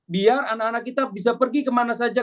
biar anak anak kita bisa pergi kemana saja